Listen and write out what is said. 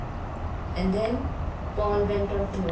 And then Paul went on tour.